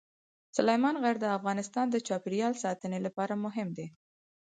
سلیمان غر د افغانستان د چاپیریال ساتنې لپاره مهم دي.